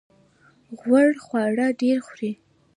غوړ خواړه ډیر خورئ؟